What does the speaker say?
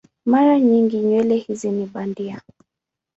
Mara nyingi nywele hizi ni bandia.